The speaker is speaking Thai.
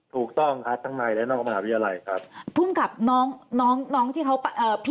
ถูกต้องค่ะทั้งในและนอกมหาวิทยาลัยครับ